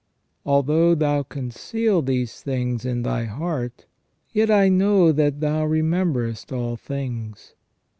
Although Thou conceal these things in Thy heart, yet I know that Thou rememberest all things.